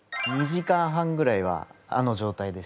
２時間半ぐらいはあの状態でして。